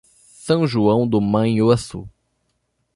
São João do Manhuaçu